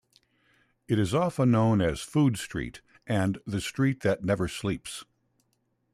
It is often known as "Food Street" and "The Street that Never Sleeps".